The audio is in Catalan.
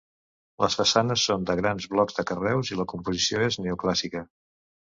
Les façanes són de grans blocs de carreus i la composició és neoclàssica.